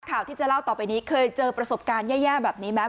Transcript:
ข่าวที่จะเล่าต่อไปนี้เคยเจอประสบการณ์แย่แบบนี้ไหม